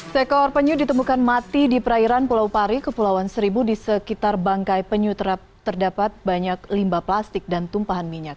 sekor penyu ditemukan mati di perairan pulau pari kepulauan seribu di sekitar bangkai penyu terdapat banyak limbah plastik dan tumpahan minyak